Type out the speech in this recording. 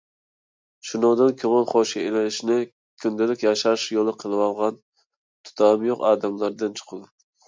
شۇنىڭدىن كۆڭۈل خوشى ئېلىشنى كۈندىلىك ياشاش يولى قىلىۋالغان تۇتامى يوق ئادەملەردىن چىقىدۇ.